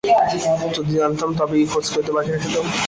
যদি জানিতাম, তবে কি খোঁজ করিতে বাকি রাখিতাম?